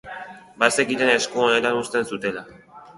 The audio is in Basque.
Bazekiten esku onetan uzten zutela.